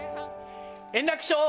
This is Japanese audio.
円楽師匠。